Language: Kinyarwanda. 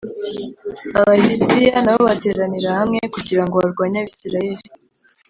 Aba lisitiya na bo bateranira hamwe kugira ngo barwanye Abisirayeli